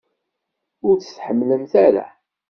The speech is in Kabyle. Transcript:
Ur tt-tḥemmlemt ara?